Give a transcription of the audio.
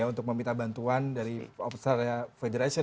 untuk meminta bantuan dari australia federation